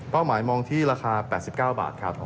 หมายมองที่ราคา๘๙บาทครับ